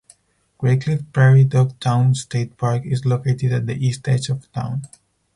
Greycliff Prairie Dog Town State Park is located at the east edge of town.